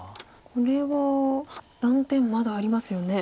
これは断点まだありますよね。